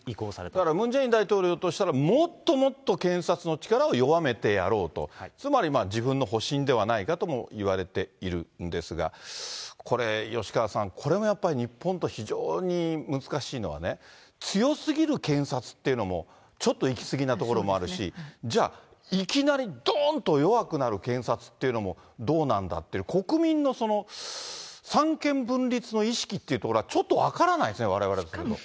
だからムン・ジェイン大統領としたら、もっともっと検察の力を弱めてやろうと、つまり、自分の保身ではないかともいわれているんですが、これ、吉川さん、これもやっぱり、日本と非常に難しいのはね、強すぎる検察っていうのも、ちょっと行きすぎなところもあるし、じゃあ、いきなりどーんと弱くなる検察っていうのも、どうなんだって、国民の三権分立の意識っていうところがちょっと分からないですね、われわれとすると。